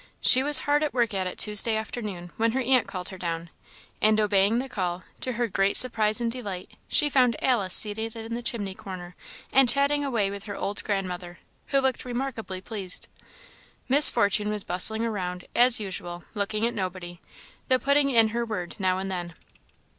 She was hard at work at it Tuesday afternoon when her aunt called her down; and obeying the call, to her great surprise and delight she found Alice seated in the chimney corner and chatting away with her old grandmother, who looked remarkably pleased. Miss Fortune was bustling round, as usual, looking at nobody, though putting in her word now and then.